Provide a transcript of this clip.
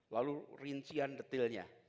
lalu rincian detailnya